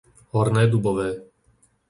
Horné Dubové